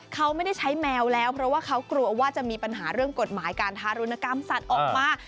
เขาไม่ได้ใช้แมวแล้วเพราะว่าเขากลัวว่าจะมีปัญหาเรื่องกฎหมายการทารุณกรรมสัตว์ออกมา